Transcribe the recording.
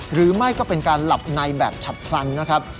หรือไม่ก็เป็นการหลับในแบบฉับพลันนะครับ